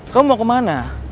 kamu mau kemana